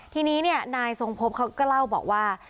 ทีนี้นายทรงพบเขาก็เล่าบอกว่า